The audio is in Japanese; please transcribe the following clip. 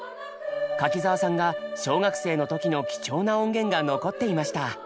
柿澤さんが小学生の時の貴重な音源が残っていました。